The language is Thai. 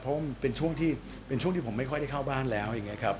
เพราะมันเป็นช่วงที่เป็นช่วงที่ผมไม่ค่อยได้เข้าบ้านแล้วอย่างนี้ครับ